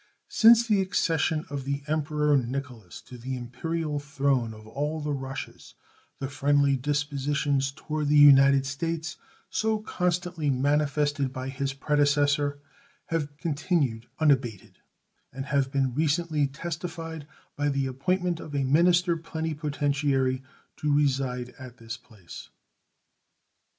Since the accession of the Emperor Nicholas to the imperial throne of all the Russias the friendly dispositions toward the United States so constantly manifested by his predecessor have continued unabated, and have been recently testified by the appointment of a minister plenipotentiary to reside at this place.